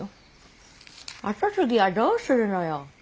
跡継ぎはどうするのよ。